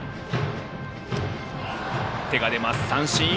手が出ます、三振。